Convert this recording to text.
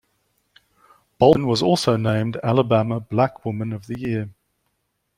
Bolden was also named Alabama Black Woman of the Year.